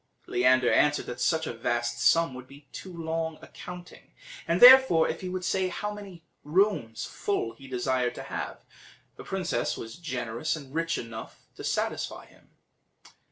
Leander answered that such a vast sum would be too long a counting, and therefore, if he would say how many rooms full he desired to have, the princess was generous and rich enough to satisfy him.